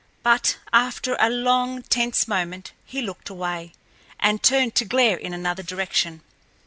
But, after a long, tense moment he looked away, and turned to glare in another direction.